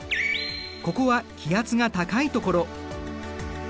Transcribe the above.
ここは気圧が高いところ。